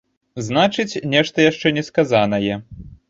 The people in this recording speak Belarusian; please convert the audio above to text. Значыць, нешта яшчэ не сказанае.